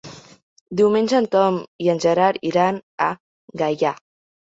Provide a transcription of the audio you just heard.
Diumenge en Tom i en Gerard iran a Gaià.